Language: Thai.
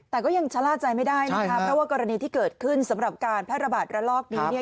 แต่ก็ยังชะล่าใจไม่ได้นะคะเพราะว่ากรณีที่เกิดขึ้นสำหรับการแพร่ระบาดระลอกนี้เนี่ย